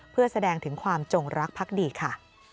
เพื่อแสดงถึงความจงรักพักดีค่ะ